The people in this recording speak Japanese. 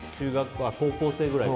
高校生ぐらいか。